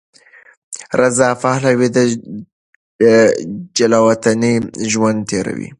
رضا پهلوي د جلاوطنۍ ژوند تېروي.